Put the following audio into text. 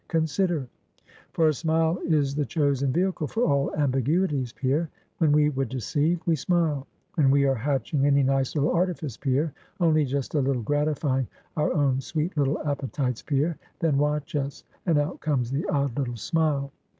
Consider; for a smile is the chosen vehicle for all ambiguities, Pierre. When we would deceive, we smile; when we are hatching any nice little artifice, Pierre; only just a little gratifying our own sweet little appetites, Pierre; then watch us, and out comes the odd little smile.